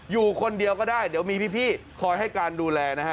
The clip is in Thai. อยู่คนเดียวก็ได้เดี๋ยวมีพี่คอยให้การดูแลนะฮะ